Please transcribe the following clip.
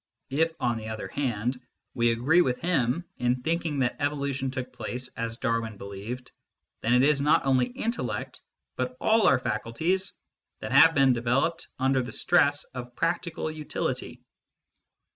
If, on the other hand, we agree with him in thinking that evolution took place as Darwin believed, then it is not only intellect, but all our faculties, that have been developed under the stress of practical utility.